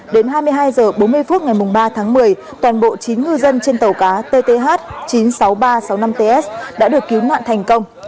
đến hai mươi hai h bốn mươi phút ngày ba tháng một mươi toàn bộ chín ngư dân trên tàu cá tth chín mươi sáu nghìn ba trăm sáu mươi năm ts đã được cứu nạn thành công